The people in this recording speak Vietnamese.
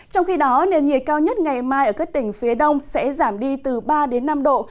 trong khi đó nền nhiệt cao nhất ngày mai ở các tỉnh phía đông sẽ giảm đi từ ba đến năm độ